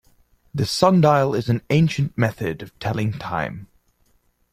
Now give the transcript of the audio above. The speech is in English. The sundial is an ancient method of telling time.